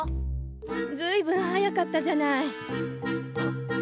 ずいぶん早かったじゃない。